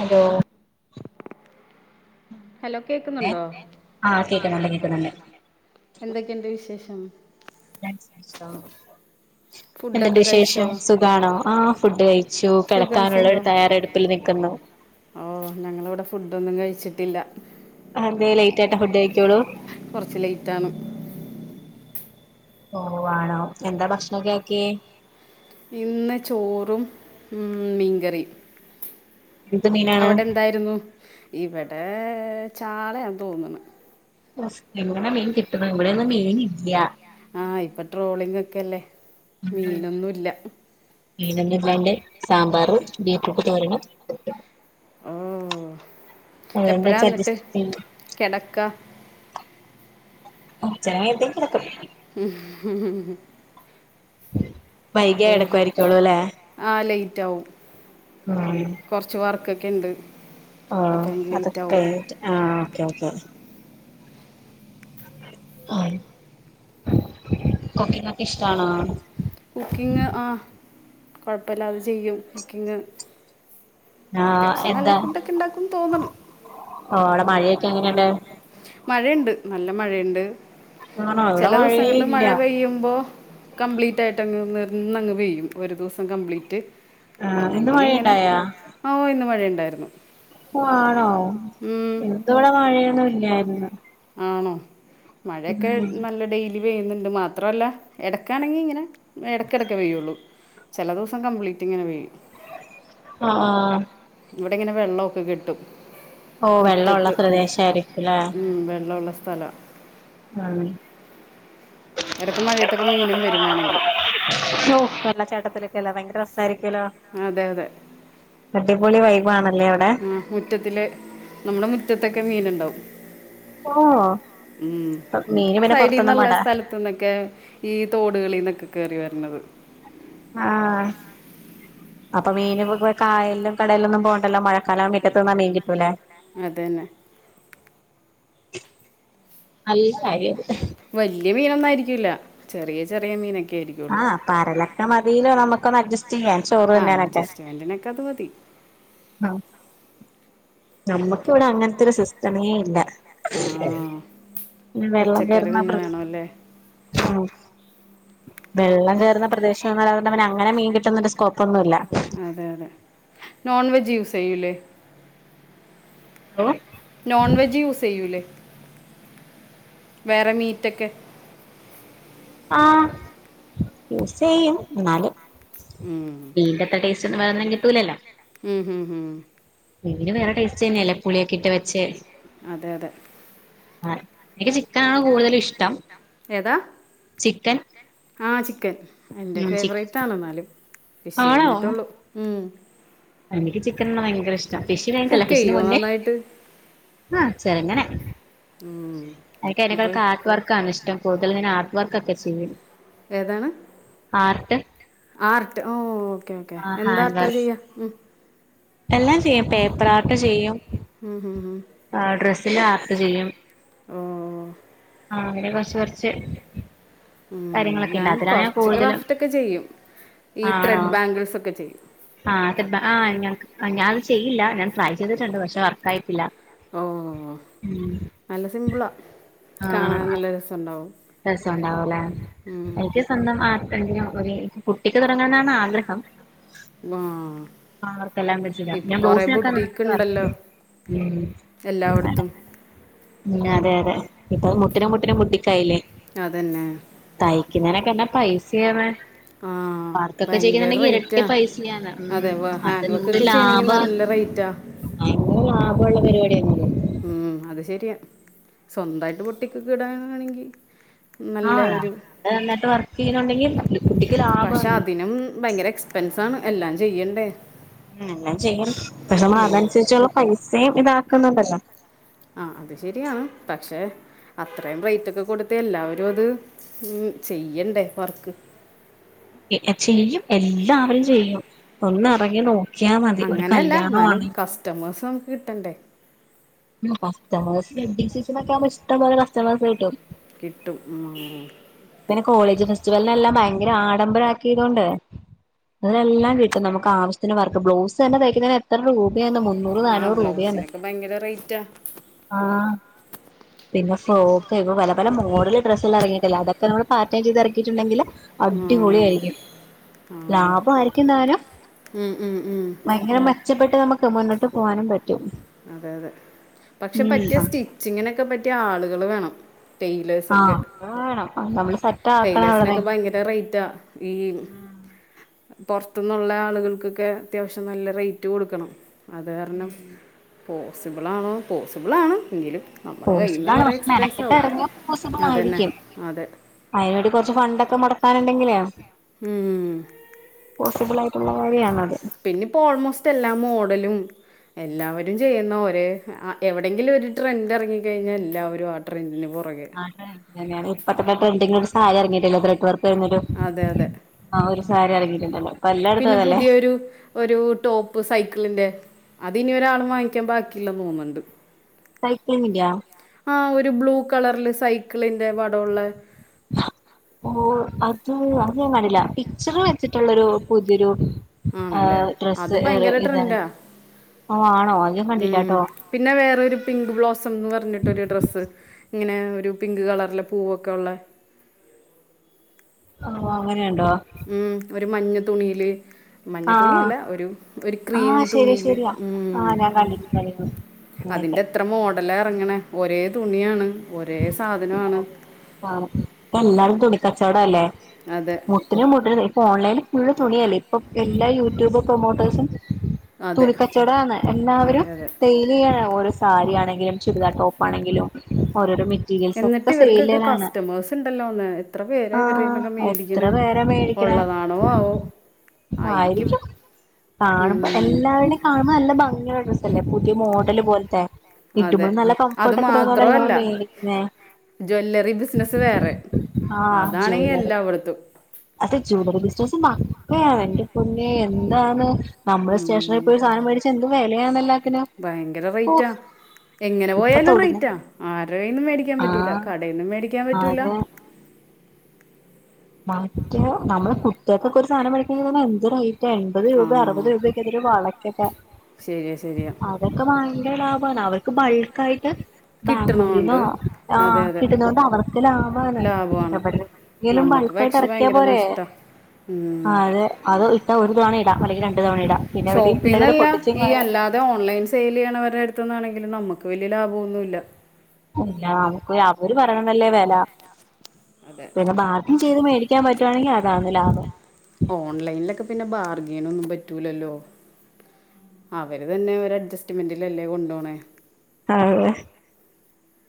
Hello hello കേക്കുന്നൊണ്ടൊ ആഹ് കേക്കുന്നുണ്ട് കേക്കുന്നുണ്ട് എന്തൊക്കെണ്ട് വിശേ- ഉം [inaudible] എന്തണ്ട് ഫുഡൊക്കെ കഴിച്ചോ വിശേഷം സുഖാണൊ ആഹ് ഫുഡ്കഴിച്ചു സുഖം കെടക്കാനൊള്ളൊരു സുഖം തയാറെടുപ്പിൽ നിൽക്കുന്നു ഫുഡൊന്നുംകഴിച്ചിടില്ല അന്തെ ലേറ്റാട്ടേ ഫുഡഴിക്കൂള്ളു കൊറച്ച് ലേറ്റാണ് ഓ ആണൊ എന്ത ഭക്ഷണക്കാക്കിയെ ഇന്ന് ചോറും ഉം മീങ്കറീം എന്ത് മീനാണ് അവടെന്താരുന്നു ഇവടെ ചാളയാന്ന തോന്നണ് ഒസ് എങ്ങന മീങ്കിട്ടണ് ഇവിടൊന്നും മീനില്യ ആഹ് ഇപ്പ ട്രോളിങ്ങക്കല്ലെ ഉം മീനൊന്നു ഇല്ല മീനൊന്നും ഇല്ലാണ്ട് സാമ്പാറും ബീറ്റ്റൂട്ട് തോരനും ഓ അതുകൊണ്ട് എപ്പഴാ അന്ന്ട്ട് അഡ്ജസ്റ്റ് ചെയ്യും കെടക്ക കൊറച്ചേരഴിയമ്പത്തേക്കെടക്കു മ്മ ഹ് വൈകിയെ കെടക്കുവാരിക്കുളുല്ലെ റ്റാവും കൊറച്ച് വർക്ക് ക്കെണ്ട് ആഹ് അതൊക്കെഴിഞ്ഞ്ട്ട് ആഹ് [unintelligible] ആം കുക്കിംങ്ങൊക്കെ ഇഷ്ടാണൊ [unintelligible] കുക്കിംഗ് ആഹ് കൊഴപ്പില്ലാതെ ചെയ്യും കുക്കിംഗ് ആഹ് അത്യാവശ്യം എന്ത നല്ല ഫുഡൊക്കെ ഉണ്ടാക്കും തോന്നണം ആടെമഴേ- ക്കെങ്ങനണ്ട് [unintelligible] മഴേണ്ട് നല്ല മഴയിണ്ട് ആണോ ഇവിടെ മഴയേ ചെലദിസങ്ങളിൽ ഇല്ല മഴപെയ്യുമ്പൊ കംപ്ലീറ്റായിട്ടങ്ങ് നിർന്നങ്ങ് പെയ്യും ഒരുദൂസം കംപ്ലീറ്റ് ആഹ് ഇന്ന് അല്ലങ്കിലിങ്ങനെ ആവൊ ഇന്ന്മഴയി- ണ്ടാരുന്നു ഓ ആണോ ഇന്നിവിടെ മഴയൊന്നുവില്ലാര്ന്ന് ആണോ മഴെക്കെ ഉം നല്ല ഡെയ് മഴപെയ്യുന്നുണ്ട്, മാത്ര അല്ല ഇടക്കാണെങ്കി ഇങ്ങനെ ഇടക്കെടക്കെ പെയ്യൊള്ളു ചെല ദിവസം കംപ്ലീറ്റ് ഇങ്ങനെ പെയ്യും ആ ആ ഇവിടിങ്ങനെ വെള്ളവൊക്കെ കെട്ടും ഓ വെള്ളവൊള്ള പ്രേദേശാരിക്കും ല്ലേ വെള്ളൊള്ള സ്ഥലാ ആ എടക്ക് മഴയത്തൊക്കെ മീനും വരും വേണെങ്കി പര് [unintelligible] അതേ അതെ അടിപൊളി വൈബാണല്ലേ അവിടെ ആ മുറ്റത്തില് നമ്മുടെ മുറ്റത്തൊക്കെ മീനുണ്ടാവും ഓഹ് ഉം മീന് പിന്നെ പൊറത്തൊന്നും സൈടീന്ന്ള്ള വേണ്ട സ്ഥലത്ത്ന്നൊക്കെ ഈ തോട്കാളീന്നൊക്കെ കേറി വരും ന്നത് ആ അപ്പൊ മീനൊക്കെ പോയ്‌ കായലിലും കടലിലു ന്നും പോണ്ടല്ലോ മഴക്കാലാമ്പോ മിറ്റത്ത് നിന്നാ മീൻ കിട്ടുവല്ലേ അതന്നെ നല്ല കാര്യം വല്യ മീനൊന്നും ആയിരിക്കൂലാ ചെറിയ ചെറിയ മീനെ ആ പരൽ ഒക്കെ മതിലോ നമുക്ക് ഒന്ന് അട്ജെസ്റ്റ് ചെയ്യാൻ ചോറ് അ അജസ്റ്റ്മെന്റിനൊക്കെ അത് മതി അ നമ്മക്കിവിടെ അങ്ങനത്തെരു സിസ്റ്റമേ ഇല്ല [inaudible] ആ ഉമ് വെള്ളം പച്ചക്കറി കേറ്ന്ന തന്നെ പ്രദേ വേണമല്ലേ ആ വെള്ളം കേറ്ന്ന പ്രദേശങ്ങളായോണ്ടവന ങ്ങനെ മീൻ കിട്ടുന്നൊരു സ്‌കോ അതെ അതെ നോൺവെ ജ് യൂസെയ്യൂല്ലേ [unintelligible] നോൺ വെജ് യൂസ് ചെയ്യൂല്ലേ വേറെ മീറ്റക്കെ ആ യൂസ് ചെയ്യും എന്നാലും ഉം ച്ചൊന്നും വലതിനും കിട്ടൂല്ലല്ലാ ഉം ഉം ഉം വീട്ട്ല് വേറെ ടേസ്റ്റന്നെയല്ലേ പുളിയൊക്കെ ഇട്ട് വെച്ച് അതെ അതെ ആ എനിക്ക് ചിക്കനാണ് കൂട്തലു ഇഷ്ടം ഏതാ ചിക്കൻ ആ ചിക്കൻ എന്റെ ഉം ചിക്കൻ ഫേവറേറ്റ് ആണെ ന്നാലും ഫിഷ് ആണോ കഴിഞ്ഞിട്ടെ ള്ളൂ ഉം എനിക്ക് ചിക്കനുള്ള ഭയങ്കര ഇഷ് ഫിഷ് വേണ്ടല്ല കുക്ക് ഫിഷിന്റെ ചെയ്യുമോ മുന്നേ നന്നായിട്ട് ആ ചെറെങ്ങനെ ഉം. എനിക്ക് അപ്പോൾ അയിനെക്കാർട്ട്‌ വർക്കാണ് ഇഷ്ടം കൂടുതൽ ഞാൻ ആർട്ട് വർക്ക് ഒക്കെ ചെയ്യല് ഏതാണ് ആർട്ട് ആർട്ട് ഓ ഓ ഓക്കേ ഓക്കേ ആഹ് ഹാൻഡ് എന്താർട്ടാ വർക്ക് ചെയ്യാ മ് എല്ലാം ചെയ്യും പേപ്പറാർട്ട് ചെയ്യും ഹ് ഹ് ഹ് പിന്നെ ആർട്ട് ചെയ്യും ഓ ആ അങ്ങനെ കൊർച്ച് കൊർച്ച് ഉം ഞാൻ കൊർച് ക്രാഫ്റ്റൊക്കെ ചെയ്യും ഈ ത്രെഡ് ബാംഗ് ആ [unintelligible] ചെയ്യില്ല ഞാൻ ട്രൈ ചെയ്തിട്ട്ണ്ട് പക്ഷെ വർക്കായിട്ടില്ല ഓ ഉം നല്ല സിമ്പിളാ കാണാനു നല്ല രസണ്ടോ രസണ്ടാവുലേ എൻക്ക് സ്വന്തം ആ എങ്കിലും ഒര് പുട്ടിക്ക് തൊടങ്ങാനാണ് ആഗ്രഹം വാ ആ വർക്കെല്ലാം പഠിച്ചില്ല ഞാൻ ബ്ലൗസിനോക്കെ ബുട്ടീക്ക് ഉണ്ടല്ലോ വർക്ക് ഉം പിന്ന എല്ലായിടത്തും ഉം അതെ അതെ ഇപ്പം മുട്ടിനും മുട്ടിനും ബുട്ടീക്കായില്ലേ അതന്നെ. ക്ക്ന്നെനൊക്കെ എന്ന പൈസയാണ്. ആ വർക്കൊക്കെ ഭയങ്കര ചെയുന്നുണ്ടെങ്കി ഇരട്ടി റേറ്റാ പൈസയാണ്. ഉം അതെ ഹാൻഡ് വർക്ക് അതെന്ത് ഒക്കെ ചെയ്യണമെങ്കിൽ ലാഭാണ്. നല്ല റേറ്റാ ഭയങ്കര ലാഭം ഒള്ള പരിപാടിയായിരുന്നുല്ലോ ഉം അത് ശെരിയ. സ്വന്തായിട്ട് ബൊട്ടീക്കൊക്കെ ഇടാനാണെങ്കി ആഹ് നമ്മള് നന്നായിട്ട് വർക്ക് ചെയ്യുന്നുണ്ടെങ്കിൽ ബോട്ടീക്ക് ലാഭം ആണ്. അതാണ് എല്ലാം ചെയ്യണ്ടേ ഉം എല്ലാം ചെയ്യണം. പക്ഷെ ഉം. നമ്മളതനുസരിച്ചുള്ള പൈസയും ഇതാ ക്കുന്നുണ്ടല്ലോ. ആ അത് ശെരിയാണ്. പക്ഷെ അത്രയും റേറ്റൊക്കെ കൊടുത്ത് എല്ലാവരും അത് ഉം ചെയ്യണ്ടേ വർക്ക്. എന്ത് ചെയ്യും എന്താ ച്ചെയും ഒന്ന് ഉറങ്ങി അങ്ങനെയല്ല എന്നാലും കസ്റ്റമേഴ്സ് കിട്ടേണ്ടേ കസ്റ്റമേസ് ശ്രദ്ധിച്ചിരുന്നാ ഇഷ്ടം പോലെ കസ്റ്റമേഴ്സിനെ കിട്ടും കിട്ടും ഉം ഇങ്ങനെ കോളേജ് ഫസ്റ്റവെല്ലിന് എല്ലാം ഭയങ്കര ആഡംബരമാക്കിയത് കൊണ്ട് അതിനെല്ലാം കിട്ടും നമുക്ക് ആവശ്യത്തിന് വർക്ക് ബ്ലൗസ് തന്നെ തയ്യിക്കുന്നതിന് എത്ര രൂ മൂന്നൂറ് ആ നാന്നൂറ് രൂപയാണ് ബ്ലൗസിനൊക്കെ ഭയങ്കര റേറ്റാ ആ പിന്നെ സ്‌റ്റോക്ക് ഇപ്പം പല പല മോഡല് ട്രസ് കൾ ഇറ അതൊക്കെ നമ്മള് പറ്റേൺ ചെയ്ത് ഇറക്കിയിട്ടുണ്ടെങ്കില് അടിപൊളി ഉം. ആയിരിക്കും ആ. ലാഭം ആയിരിക്കും താനും ഉം, ഉം, ഉം. ഭയങ്കര മെച്ചപ്പെട്ട മുന്നോട്ടുപോകാനും പറ്റ് അതെ അതെ പക്ഷേ ഉം പറ്റിയ സ്റ്റിജീങ്ങിന്നെക്കെ പറ്റിയ ആള് കള് വേണം ടൈലേഴ്സ് ഒക്കെ ആഹ് അത് വേണം നമ്മള് സെറ്റ് ആക്കണം അവളെ ടൈലേഴ്സിനൊക്കെ ഭയങ്കര റൈറ്റാ ഈ പുറത്തുന്നുള്ള ആൾക്കാർക്ക് അത്യാവശ്യം നല്ല റേറ്റ് കൊടുക്കണം അത് കാരണം പോസിബിൾ ആണോ പോസിബിൾ ആണ് എങ്കിലും നമ്മുടെ കയ്യിൽ നിന്ന് പോസിബളാണ് കുറേ പക്ഷേ എക്സ്പെൻസ് മെനക്കെട്ട് ആവും ഇറങ്ങിയ അതന്നെ പോസിബിളായിരിക്കും അതെ പഴ ഫണ്ടൊക്കെ മുടക്കാന്നുണ്ടെങ്കിലെ ഉം പോസിബിളായിട്ടുള്ള വഴിയ പിന്നെപ്പം ഓൾമോസ്റ്റ് എല്ലാ മോഡലും എല്ലാവരും ചെയ്യുന്ന ഒരേ ആ എവിടെയെങ്കിലും ഒരു ട്രെൻഡ് എറങ്ങി കഴിഞ്ഞാ എല്ലാവരും ആ ട്രെൻഡിന് പൊ [unintelligible] ഇപ്പ തന്നെ ട്രെൻഡി ആ എറങ്ങിയിട്ടില്ല ത്രഡ് വർക്ക് പേര്ൻ ഒരു അതെ അതെ ആ ഒരു ച്ചാരായിരിക്കും ട്രെൻണ്ടാവ പിന്നെ പുതിയൊരു ഒരു ടോപ് സൈക്കിളിന്റെ അതിനി ഒരാളും വാങ്ങിക്കാൻ ബാക്കി ഇല്ലെന്ന് തോന്ന്ണ്ട് സൈക്ലിങ്ങിന്റെയാ ആ ഒരു ബ്ലൂ കളർൽ സൈക്കിളിന്റെ പടവുള്ളെ ഒ അത് അത് ഞാൻ കണ്ടിട്ടില്ല പിച്ചർ വരച്ചിട്ടുള്ളൊരു പുതിയ ഒരു ആണ് അല്ലെ അത് ഭയങ്കര ട്രെൻഡാ ഓ ആണോ അത് ഞാൻ ഉം കണ്ടില്ലാട്ടോ പിന്നെ വേറെരു പിൻക് ബ്ലോസംന്ന് പറഞ്ഞിട്ട് ഒരു ഡ്രസ്സ് ഇങ്ങനെ ഒരു പിൻങ്ക് കളർൾ പൂവ് ഒക്കെയുള്ളെ ഓ അങ്ങെ ഉം ഒര് ര് മഞ്ഞ തുണീൽ മഞ്ഞ തുണി ആഹ് അല്ല ഒരു ക്രീം ആഹ് ശരി തുണിയിൽ ശരിയാ ഉം ആഹ് ഞാൻ കണ്ടിട്ടുണ്ട് കണ്ടിട്ടുണ്ട് അങ്ങനെയൊക്കെ അതിന്റെ എത്ര മോഡലാ പ്പ അങ്ങനെ ഒരേ തുണിയാണ് ഒരേ സാദനും ആണ് അതെ ആണ് ഇപ്പ എല്ലാരും തുണി കച്ചോടാലെ മുട്ടിൽ മുട്ടിൽ [unintelligible] ഇപ്പം ഓൺലൈൻ ഫുൾ തുണി അല്ലേ ഇപ്പം എല്ലാ യൂട്യൂബ് പ്രൊമോട്ടേഴ്‌സും അതെ തുണി കച്ചോടം ആന്ന് എല്ലാവരും അതെ അതെ സൈൽ ചെയ്യാനാണ് പോ സാരി ആണെങ്കിലും ചുരിദാർ ടോപ് ആണെങ്കിലും ഓരോരാ മെ റ്റീരിയൽസ് ഒക്കെ എന്നിട്ട് സൈയിൽ ചെയ്യ്ണേ ഇവർക്കൊക്കെ കാണാ കസ്റ്റമേഴ്സ് ഉണ്ടല്ലോ ഒന്ന് എത്ര പേരാ ആ ഇവരുടെ നിന്നൊക്കെ മേടിക്കണേ എത്രപേര മേടിക്ക്ണേ ഉള്ളതാണോ ആവോ ആയിരിക്കും കാണുമ്പം ഉം, എല്ലാവരുടെം കാണുമ്പോ നല്ല ഭംഗി ഉള്ള ഡ്രസ്സ്‌ പിന്നെ പുതിയ മോഡൽ പോൽത്തെ അതെ ഇടുമ്പോ നല്ല അത് കംഫെർട് ഒക്കെ തോന്നാണേൽ നമ്മ മാത്രമല്ല ജ്വല്ലറി ബിസിനസ്‌ വേറെ അതാണെക്കി എല്ലാവെട്ത്തും അതെ ജ്വാല്ലറി ബിസിനസ്സ് [unintelligible] യാണ് എന്റെ പൊന്നേ എന്താണ് നമ്മൾ സ്റ്റേഷനറി ഉം. പോയി സാദനം മേടിച്ചാ എന്ത് വെലയാന്ന് എല്ലാത്തിനും ഭയങ്കര ഓ റേറ്റാ എങ്ങനെ പോയാലും റൈറ്റാ ആരെ കയ്യിന്നും മേടിക്കാൻ പറ്റൂലാ ആഹ് കടേന്നും മേടിക്കാൻ പറ്റൂലാ അതെ [unintelligible] നമ്മള് കുട്ടിയാക്കൊക്കെ ഒര് സാനം മേടിക്കെണേ തന്നെ എന്ത്‌ റൈ എൻപത് രൂപേ അറുപത് രൂപേക്കെയാര്ന്ന് ഒര് വള [unintelligible] ശെരിയാ ശെരിയാ [unintelligible] അവർക്ക് ബൾക്കാ ആയ്ട്ട് കിട്ടണമുണ്ട് [unintelligible] അതെ ആ അതെ കിട്ടുന്നോണ്ട് അവർക്ക് ലാഭാണ് ലാഭമാണ് നമുക്ക് [unintelligible] പക്ഷെ കറേക്യാ ഭയങ്കര പോരെ നഷ്ടം ആ അതെ അത് ഇട്ടാ [unintelligible] [unintelligible] പിന്നെ എവിടെയും ഷോപ്പിന്ന പിള്ളേരത് അല്ല പൊട്ടിച്ചും ഈ കളയും അല്ലാതെ ഓൺലൈൻ സെയ്ൽ യ്യ്ന്നവരെ അടുത്തുന്ന് ആണെ ങ്കിലും നമ്മുക്ക് വല്ല്യ ലാബോന്നും ഇല്ല ആ [unintelligible] പറയുന്നത അല്ലേ വെല അതെ പിന്നെ ഭാഗ്യം ചെയ്തു മേടിക്കാൻ പറ്റുവാണെങ്കി അതാണ് ലാഭം ഓൺലൈനിലൊക്കെ പിന്നെ ബാർഗയിൻ ഒന്നും പറ്റൂലല്ലോ അവര് തന്നെ ഒരഡ്ജസ്റ്റ് മെന്റിലല്ലേ കൊണ്ടോണേ ആ അതെ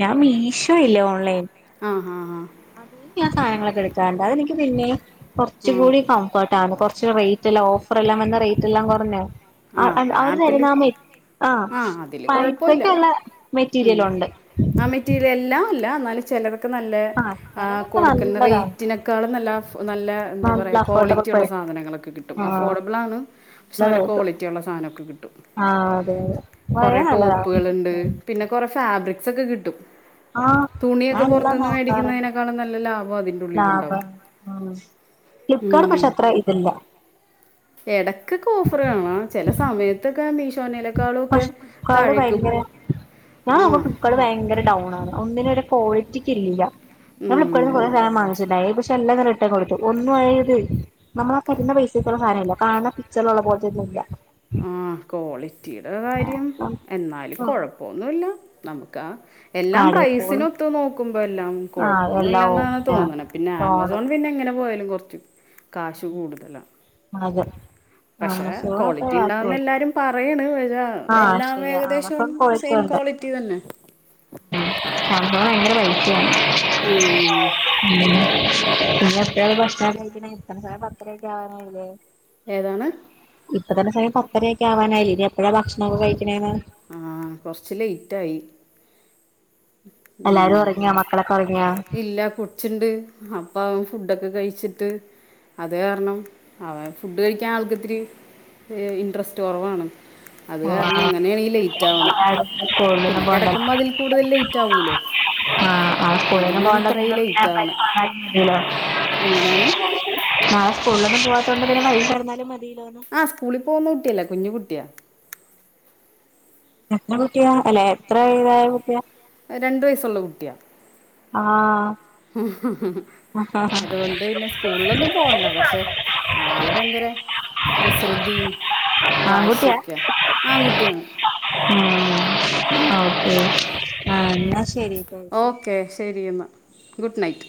ഞാൻ മീശോ ഇല്ലേ ഓൺലൈൻ ആ ഹാ ഹാ അതിന്ന് ഞാൻ സാനങ്ങൾ വിളിക്കാണ്ടാ അത് എനിക്ക് പിന്നെയും കോർച്ചും ആ കൂടി കംഫർട്ട് ആണ് കോർ റേറ്റ് ഇല്ല ഓഫർ എല്ലാം വരുന്നേ റേറ്റ് എല്ലാം കുറഞ്ഞു ആ അവര് ആപ്പിൾ തരുന്ന മെറ്റീ--ആ ആ അതിൽ കുഴപ്പമില്ല അത്രയ്ക്കുള്ള മെറ്റീരിയൽ ഉണ്ട്. മില്ല എന്നാലും ചില ക്കു നല്ലേ ആഹ് ആ ചെലതൊക്കെ കൊടുക്കുന്ന നല്ലതാണ് റെറ്റിനേകാളും നല്ല നല്ല എന്താ നല്ല പറയുക അഫോർഡബിൾ കോളിറ്റിയുള്ള പ്രൈസ് സാധനങ്ങളൊക്കെ കിട്ടു. അഫോ ആഹ് ഡബിളാണ് നല്ലത് പക്ഷേ കിട്ടും കോളിറ്റിയുള്ള സാധനം ഒക്കെ കിട്ടും. ആഹ് അതെ അതെ കുറേ വളരെ ടോപ്പുകളുണ്ട്. നല്ലതാണ് പിന്നെ കുറേ ഫാബ്രി ക് [unintelligible] സ് ക്കെ കിട്ടും. ആഹ് തുണിയൊക്കെ പുറത്തൂന്നു മേടിക്കുന്നതിനെകാളും നല്ല ലാഭ ഇക്കയുടെ പക്ഷെ അത്ര ഇതില്ല ഇടക്കെക്കെ ഓഫറ് കാണാ. ചില സമയത്ത് ഒക്കെ നി പക്ഷെ കഷ്ടപ്പാട് ഭയങ്കര ഞാൻ അങ്ങോട്ട് ആ ഇപ്പഴും ഭയങ്കര ഡൗൺ ആണ്. ഒന്നിലും [unintelligible] ഉം. [unintelligible] എല്ലാം അങ്ങ് റിട്ടൻ കൊടുത്തു ഒന്നും ആയി ഇത് നമ്മള് ആ പറയുന്ന പൈസക്ക് ഉള്ള സാധനം ഇല്ല കാരണം പിക്ചറിൽ ഉള്ള ക്വാളിറ്റി ഒന്നും ഇല്ല ആ കോളി റ്റീടെ കാര്യം എന്നാലും കൊഴപ്പോന്നു ല്ല, നമുക്കാ എല്ലാം കടേ പോയി പ്രൈസിനൊത്തനോക്കുമ്പ എല്ലാം ആഹ് കുഴപ്പമൊന്നു എല്ലാം ഇല്ലന്നാ ഓക്കെയാ തോന്നണത് പിന്നെ തോന്നണ് ആമസോൺ എങ്ങനെ പോയാലും കു കാശ് കൂടുതലാ അതെ പക്ഷേ ആമസോണൊക്കെ കോളിറ്റി കാശ് ഉണ്ടാവുന്നാ പോയി എല്ലാരും പറയണ് പ ആഹ് എല്ലാം ശരിയാ ഏകദേശം ആമസോൺ സെയിം കോളിറ്റി തന്നെ. സംഭവം ഭയങ്കര റൈറ്റാണ് ഉം. [unintelligible] ഏതാണ് ഇപ്പതന്നെസമയം പത്തരയൊക്കെ ആവാനായില്ലേ ഇനി എപ്പഴാ ഭക്ഷണമൊക്കെ കഴികണേന്നാണ് ആ കുറച്ച് ലേറ്റായി എല്ലാരും ഉം ഉറങ്ങിയാ മക്കളൊക്കെ ഉറങ്ങിയാ ഇല്ല കൊച്ചുണ്ട് അപ്പ ഫുഡെക്കെ കഴിച്ചിട്ട് അത് കാരണം അവൻഫുഡ് കഴിക്കാൻ ആൾക്കിത്തിരി ഇൻട്രസ്റ്റ്കുറവാണ് അത് കാരണം അങ്ങനേണീ [unintelligible] [unintelligible] [unintelligible] അതിൽ കൂടുതൽ ലേറ്റ് ആവുമല്ലോ അങ്ങനെയാണ് ഇത്രയും ലേറ്റ് ആവണേ എങ്ങനെയാണ് പോവാത്തോണ്ടിങ്ങനെ കൈ കിടന്നാലും മതി ആ സ്കൂളി പോന്ന കുട്ടിയല്ല കുഞ്ഞു കുട്ടിയ എത്ര കുട്ടിയ അല്ല എത്ര ഇതായ കുട്ടിയ രണ്ട് വയസുള്ള കുട്ടിയാ ആ അത് കൊണ്ടേയില്ല സ്കൂളിൽ ഒന്നും പോവണ്ട പക്ഷേ ആള് ഭയങ്കര കുസൃതിയും വാശി ആൺകുട്ടിയാ ഒക്കെയാ ആൺകുട്ടിയാണ് ഉം ഓക്കെ ആഹ് ന്നാ ശ ഓക്കേ ശരി എന്നാ ഗുഡ് നൈറ്റ്‌